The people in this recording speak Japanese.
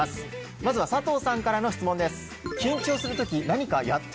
まずは佐藤さんからの質問です。